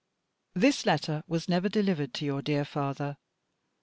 This letter was never delivered to your dear father.